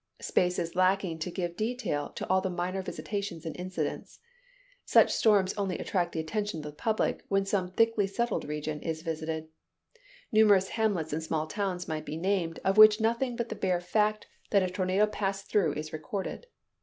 Space is lacking to give detail to all the minor visitations and incidents. Such storms only attract the attention of the public when some thickly settled region is visited. Numerous hamlets and small towns might be named, of which nothing but the bare fact that a tornado passed through is recorded.